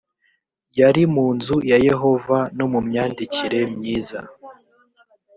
yari mu nzu ya yehova no mumyandikire myiza